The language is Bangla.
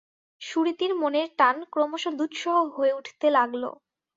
সুরীতির মনের টান ক্রমশ দুঃসহ হয়ে উঠতে লাগল।